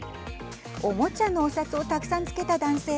おもちゃのお札をたくさん付けた男性。